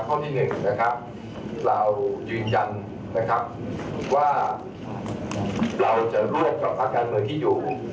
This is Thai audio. ข้อที่๑นะครับเรายืนยันนะครับว่าเราจะร่วมกับภาคการเมืองที่อยู่